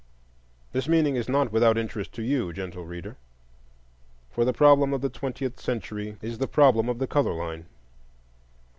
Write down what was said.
This meaning is not without interest to you, Gentle Reader; for the problem of the Twentieth Century is the problem of the color line.